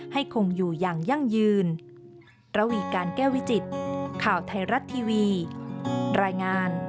คงอยู่อย่างยั่งยืน